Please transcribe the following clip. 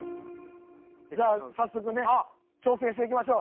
じゃあ早速ね挑戦して行きましょう。